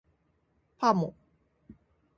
パモ